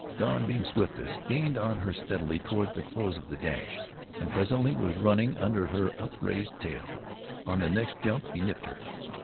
Don, being swiftest, gained on her steadily toward the close of the dash, and presently was running under her upraised tail. On the next jump he nipped her.